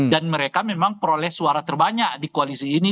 dan mereka memang peroleh suara terbanyak di koalisi ini